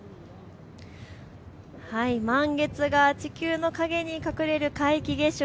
満月が地球の影に隠れる皆既月食。